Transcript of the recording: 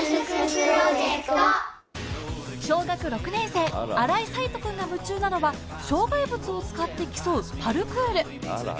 小学６年生新井彩仁君が夢中なのは障害物を使って競うパルクール。